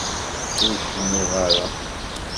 Ur cennuɣ ara.